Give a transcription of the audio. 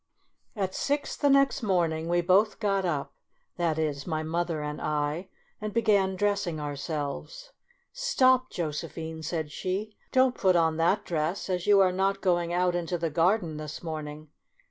At six the next morning we both got up (that is, my mother and I), and began dressing ourselves. " Stop, Josephine," said she, " don't put on that dress, as you are not going out into the garden this morning."